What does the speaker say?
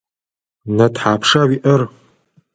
Нэ тхьапша уиӏэр?